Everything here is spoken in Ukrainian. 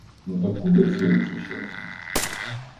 Ну, так купить сиру чи шинки?